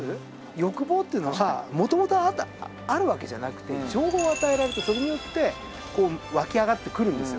欲望っていうのは元々あるわけじゃなくて情報を与えられてそれによって湧き上がってくるんですよ。